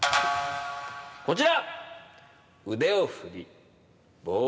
こちら！